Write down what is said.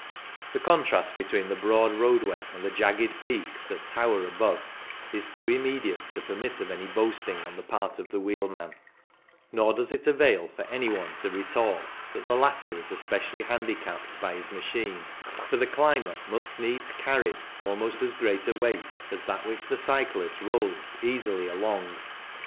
The contrast be tween the broad roadway and the jagged peaks that tower above is too immediate to permit of any boasting on the part of the wheelman; nor does it avail for any one to retort that the latter is especially handicapped by his machine, for the climber must needs carry almost as great a weight as that which the cyclist rolls easily along.